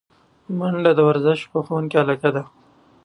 منډه د ورزش خوښونکو علاقه ده